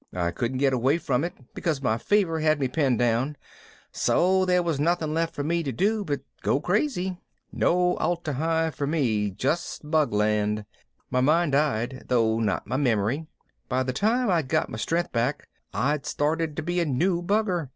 I couldn't get away from it because my fever had me pinned down, so there was nothing left for me to do but go crazy. No Atla Hi for me, just Bug land. My mind died, though not my memory. By the time I'd got my strength back I'd started to be a new bugger.